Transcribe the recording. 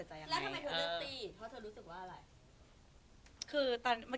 แล้วทำไมเธอเลือกตีเพราะเธอรู้สึกว่าอะไร